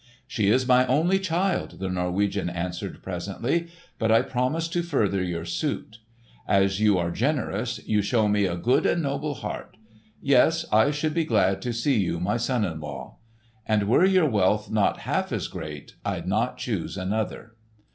"She is my only child," the Norwegian answered presently, "but I promise to further your suit. As you are generous, you show me a good and noble heart. Yes, I should be glad to see you my son in law. And were your wealth not half as great, I'd not choose another."